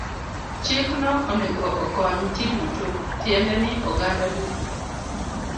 Chikno onego okony ji duto, tiende ni oganda duto.